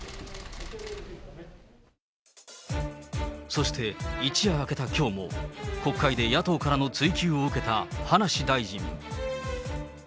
そして、一夜明けたきょうも、国会で野党からの追及を受けた葉梨大臣。